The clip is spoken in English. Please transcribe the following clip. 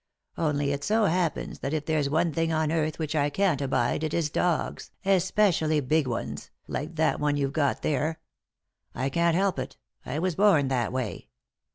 Only it so happens that if there's one thing on earth which I can't abide it is dogs, especially big ones, like that one you've got there. I can't help it, I was born that way.